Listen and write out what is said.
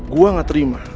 gue gak terima